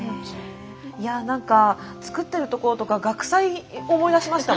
いや何か作ってるところとか学祭思い出しましたもん何か。